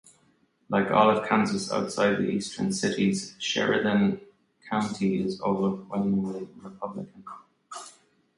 Like all of Kansas outside the eastern cities, Sheridan County is overwhelmingly Republican.